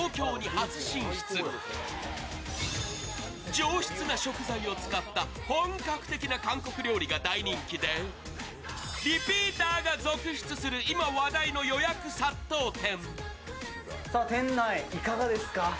上質な食材を使った本格的な韓国料理が大人気でリピーターが続出する今話題の予約殺到店。